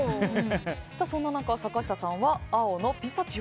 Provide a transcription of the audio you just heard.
そんな中、坂下さんは青のピスタチオ。